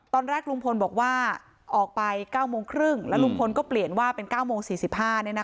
ตอนแรกลุงพลบอกว่าออกไปเก้าโมงครึ่งแล้วลุงพลก็เปลี่ยนว่าเป็นเก้าโมงสี่สิบห้านี่นะคะ